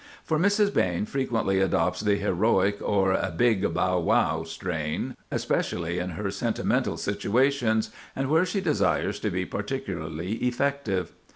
For Mrs. Behn frequently adopts the heroic, or "big bow wow" strain, especially in her sentimental situations, and where she desires to be particularly effective.